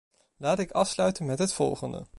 Laat ik afsluiten met het volgende.